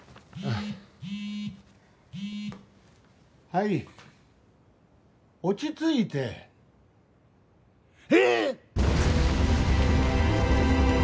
はい落ち着いてええっ！？